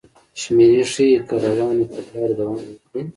شمېرې ښيي چې که روانې تګلارې دوام وکړي